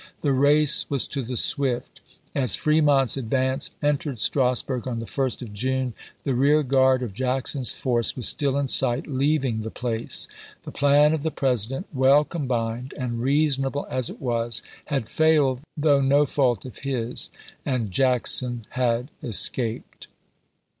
The race was to the swift. As Fremont's advance entered Strasburg on the 1st of June the rear guard of Jackson's force was still in sight, leaving the place. The plan of the President, well combined and reasonable as it was, had failed though no fault of his, and Jackson had escaped.